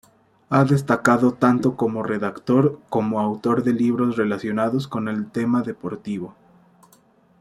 Ha destacado tanto como redactor como autor de libros relacionados con el tema deportivo.